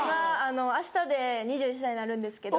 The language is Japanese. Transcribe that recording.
あしたで２１歳になるんですけど。